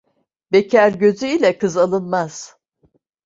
Bekâr gözü ile kız alınmaz.